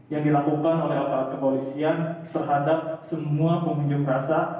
yang dilakukan oleh alat alat kepolisian terhadap semua peminjau kerasa